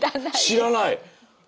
知らない？